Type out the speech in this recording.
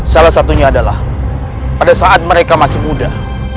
salah satunya adalah pada saat mereka masih muda